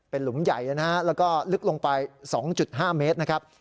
เป็นหลุมใหญ่และลึกลงไป๒๕เมตรนะครับ